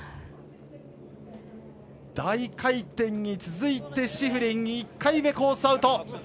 大回転に続いてシフリン１回目、コースアウト。